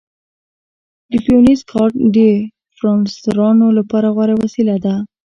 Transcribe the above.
د پیونیر کارډ د فریلانسرانو لپاره غوره وسیله ده.